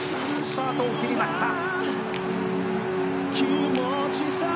「スタートをきりました」